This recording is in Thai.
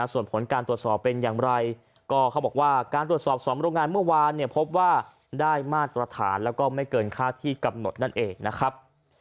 ส่วนผลการตรวจสอบเป็นอย่างไรก็เขาบอกว่าการตรวจสอบ๒โรงงานเมื่อวานเนี่ยพบว่าได้มาตรฐานแล้วก็ไม่เกินค่าที่กำหนดนั่นเองนะครับ